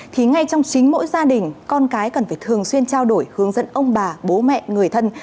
thì ngay trong chính mỗi gia đình con cái cần phải thường xuyên trao đổi hướng dẫn ông bà bố mẹ người thân